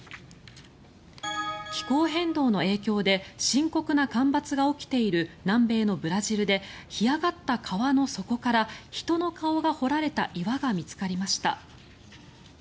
気候変動の影響で深刻な干ばつが起きている南米のブラジルで干上がった川の底から人の顔が彫られた岩が見つかりました。